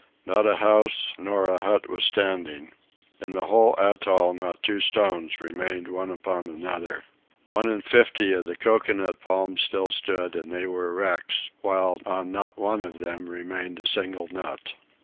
Not a house nor a hut was standing. In the whole atoll not two stones remained one upon another. One in fifty of the cocoanut palms still stood, and they were wrecks, while on not one of them remained a single nut.